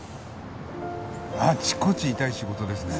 あちこち痛い仕事ですね。